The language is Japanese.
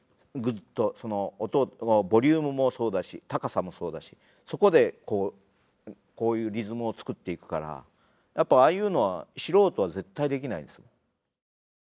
グッとその音ボリュームもそうだし高さもそうだしそこでこういうリズムを作っていくからやっぱああいうのは素人は絶対できないですもん。